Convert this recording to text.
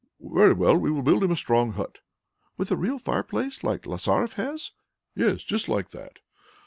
"Very well; we will build him a strong hut." "With a real fire place like Lasaref has?" "Yes, just like that."